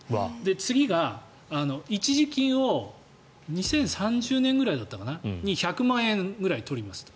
次が一時金を２０３０年ぐらいに１００万円ぐらい取りますと。